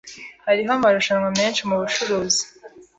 Hariho amarushanwa menshi mubucuruzi.